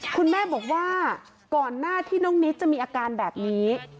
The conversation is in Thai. คุณแม่บอกว่าก่อนหน้าที่น้องนิกจะมีอาการแบบนี้